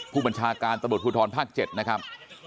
ผู้บัญชาการตมโทษธนภาค๗นะครับ